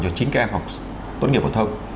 cho chính các em học tốt nghiệp phổ thông